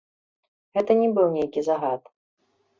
Гэта не быў нейкі загад.